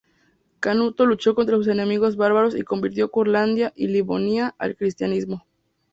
Canuto luchó contra sus enemigos bárbaros y convirtió Curlandia y Livonia al cristianismo.